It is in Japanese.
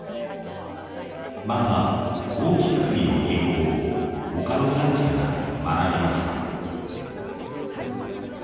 また箒作りの技法を他の産地から学びました。